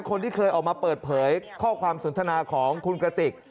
คนที่เคยออกมาเปิดเผยข้อความสนทนาของคุณกระติก